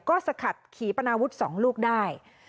ก็สะขัดขี่ปนาวุฒิสองลูกได้